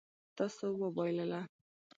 تاسو وبایلله